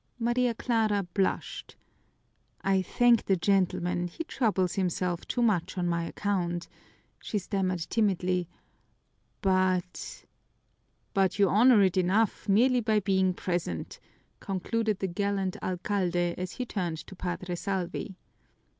Maria Clara blushed. "I thank the gentleman, he troubles himself too much on my account," she stammered timidly, "but " "But you honor it enough merely by being present," concluded the gallant alcalde as he turned to Padre Salvi.